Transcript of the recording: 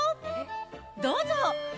どうぞ。